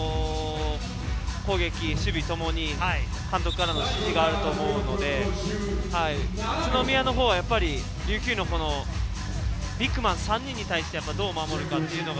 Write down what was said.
攻撃、守備ともに監督からの指示があると思うので、宇都宮は琉球のビッグマン３人に対してどう守るのか。